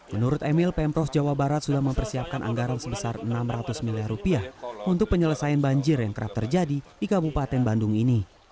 menurut emil pemprov jawa barat sudah mempersiapkan anggaran sebesar rp enam ratus miliar rupiah untuk penyelesaian banjir yang kerap terjadi di kabupaten bandung ini